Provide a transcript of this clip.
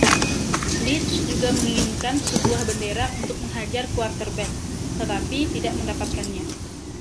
Leach juga menginginkan sebuah bendera untuk menghajar quarterback, tetapi tidak mendapatkannya.